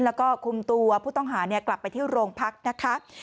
แล้วก็คุมตัวผู้ต้องหากลับไปที่โรงพักนะคะ